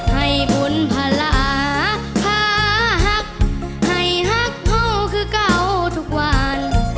ให้บุญภาระพาหักให้หักห้องคือเก่าทุกวัน